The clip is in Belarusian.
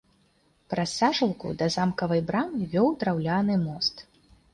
Праз сажалку да замкавай брамы вёў драўляны мост.